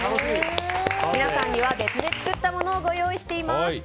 皆さんには別で作ったものをご用意しております。